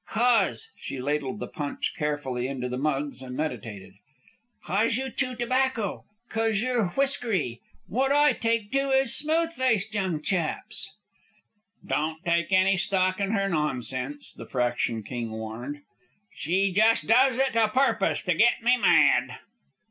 "Cos ..." She ladled the punch carefully into the mugs and meditated. "Cos you chew tobacco. Cos you're whiskery. Wot I take to is smooth faced young chaps." "Don't take any stock in her nonsense," the Fraction King warned, "She just does it a purpose to get me mad."